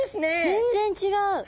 全然違う。